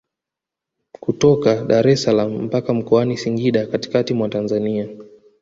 Kutoka Daressalaam mpaka Mkoani Singida katikati mwa Tanzania